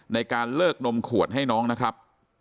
ในการเลิกนมขวดให้น้องนะครับ